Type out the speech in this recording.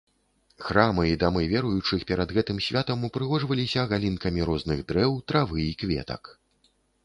Храмы і дамы веруючых перад гэтым святам упрыгожваліся галінкамі розных дрэў, травы і кветак.